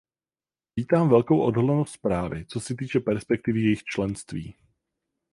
Vítám velkou odhodlanost zprávy, co se týče perspektivy jejich členství.